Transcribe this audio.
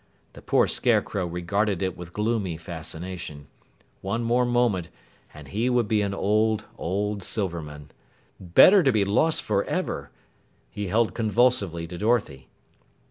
The poor Scarecrow regarded it with gloomy fascination. One more moment and he would be an old, old Silverman. Better to be lost forever! He held convulsively to Dorothy.